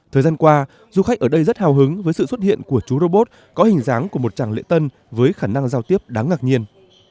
thời gian qua du khách ở đây rất hào hứng với sự xuất hiện của chú robot có hình dáng của một chàng lễ tân với khả năng giao tiếp đáng ngạc nhiên